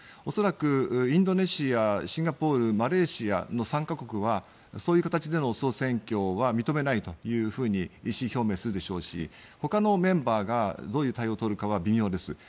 恐らく、インドネシアシンガポール、マレーシアの３か国はそういう形での総選挙は認めないと意思表明するでしょうしほかのメンバーがどういう対応を取るかは微妙です。